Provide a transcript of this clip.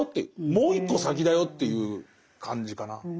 もう一個先だよという感じかな。